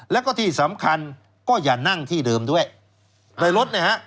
แล้วก็ที่สำคัญก็อย่านั่งที่เดิมด้วยในรถเนี่ยฮะ